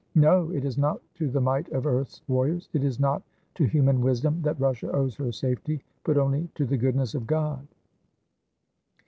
No! it is not to the might of earth's warriors, it is not to human wisdom that Russia owes her safety, but only to the goodness of God."